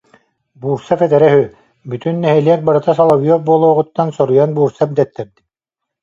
Бурцев этэрэ үһү: «Бүтүн нэһилиэк барыта Соловьев буолуоҕуттан соруйан Бурцев дэттэрдим»